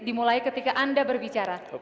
dimulai ketika anda berbicara